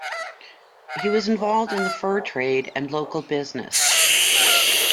He was involved in the fur trade and local business.